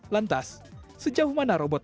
lantas sejauh mana robot